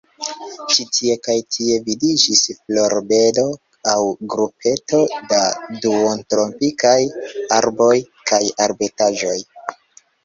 Ĉi tie kaj tie vidiĝis florbedo aŭ grupeto da duontropikaj arboj kaj arbetaĵoj.